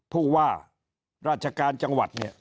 พูดว่าราชการจังหวัด